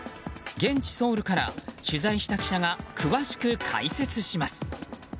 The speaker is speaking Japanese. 現地ソウルから取材した記者が詳しく解説します。